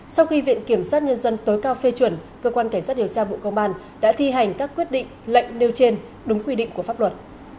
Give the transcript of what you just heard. sau khi viện kiểm sát nhân dân tối cao phê chuẩn cơ quan cảnh sát điều tra bộ công an đã thi hành các quyết định lệnh nêu trên đúng quy định của pháp luật